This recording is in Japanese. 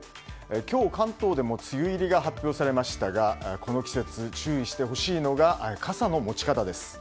今日、関東でも梅雨入りが発表されましたがこの季節、注意してほしいのが傘の持ち方です。